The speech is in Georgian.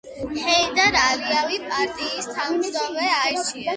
ჰეიდარ ალიევი პარტიის თავმჯდომარედ აირჩიეს.